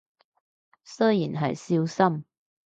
雖然係少深